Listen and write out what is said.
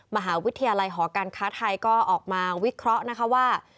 มหาวิทยาลัยหอการค้าไทยก็ออกมาวิเคราะห์นะคะว่า